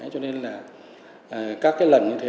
cho nên là các cái lần như thế